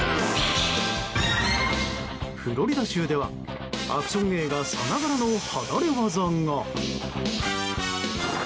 フロリダ州ではアクション映画さながらの離れ業が。